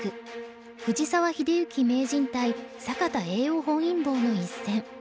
藤沢秀行名人対坂田栄男本因坊の一戦。